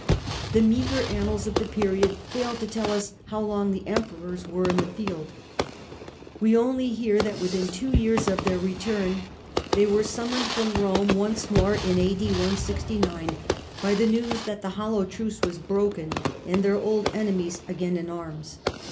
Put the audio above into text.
The meagre annals of the period fail to tell us how long the Emperors were in the field. We only hear that within two years of their return they were summoned from Rome once more by the news that the hollow tmce was broken, and their old enemies again in arms.